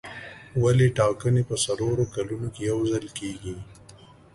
ولې ټاکنې په څلورو کلونو کې یو ځل کېږي.